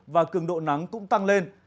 và cường độ nắng cũng tăng lên